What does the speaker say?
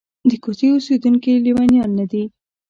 د کوڅې اوسېدونکي لېونیان نه دي.